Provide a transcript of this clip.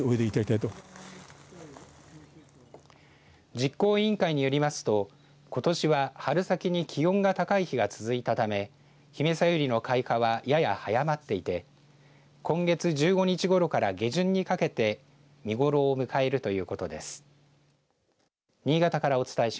実行委員会によりますとことしは、春先に気温が高い日が続いたためヒメサユリの開花はやや早まっていて今月１５日ごろから下旬にかけて見頃を迎えるということです。